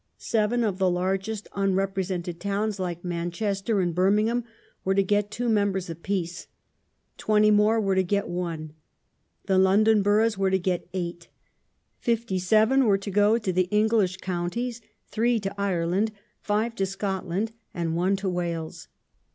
Seven of the largest unrepresented towns like Manchester and Birmingham were to get 2 members apiece ; twenty more were to get 1 ; the London boroughs to get 8 ; 57 were to go to the English counties ; 3 ] to Ireland, 5 to Scotland, and 1 to Wales.